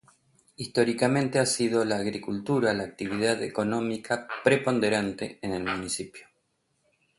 Históricamente ha sido la agricultura la actividad económica preponderante en el municipio.